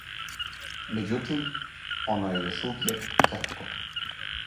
Меđутим, оно је још увијек крхко.